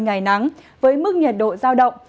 ngày nắng với mức nhiệt độ giao động